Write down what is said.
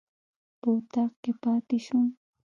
په اطاق کې پاتې شوم.